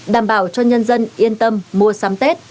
đảm bảo cho nhân dân yên tâm mua sắm tết